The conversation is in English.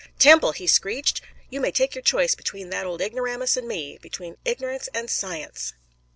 "Temple," he screeched, "you may take your choice between that old ignoramus and me between ignorance and science!"